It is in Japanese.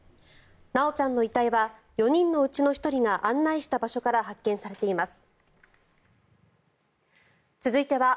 修ちゃんの遺体は４人のうちの１人が案内した場所から発見されています。